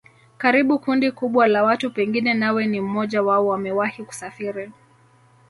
Karibu kundi kubwa la watu pengine nawe ni mmoja wao wamewahi kusafiri